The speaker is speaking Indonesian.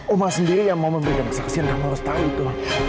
oma sendiri yang mau memberikan pertolongan dengan ustaz aiko